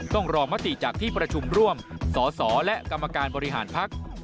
ต้องรอมติจากที่ประชุมร่วมสสและกรรมการบริหารพัก